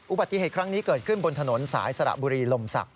อุบัติเหตุครั้งนี้เกิดขึ้นบนถนนสายสระบุรีลมศักดิ